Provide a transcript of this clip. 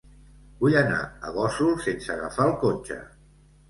Vull anar a Gósol sense agafar el cotxe.